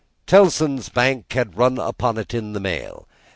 Tellson's Bank had a run upon it in the mail.